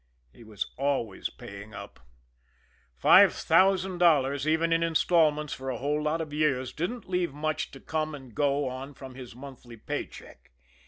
He was always paying up. Five thousand dollars, even in instalments for a whole lot of years, didn't leave much to come and go on from his monthly pay check.